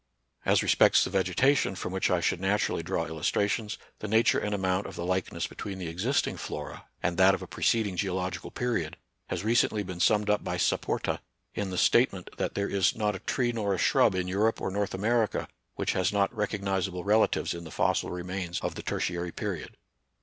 As respects the vege tation, from which I should naturally draw illus trations, the nature and amount of the likeness between the existing flora and that of a preced ing geological period has recently been summed up by Saporta in the statement that there is not a tree nor a shrub in Europe or North America which has not recognizable relatives in the fossil remains of the tertiary period.